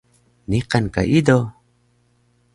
Niqan ka ido?